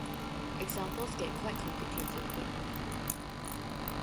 Examples get quite complicated quickly.